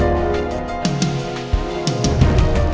aku bener bener mau sendiri